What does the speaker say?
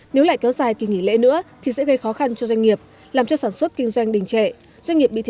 nếu lại kéo dài kỳ nghỉ lễ nữa thì sẽ gây khó khăn cho doanh nghiệp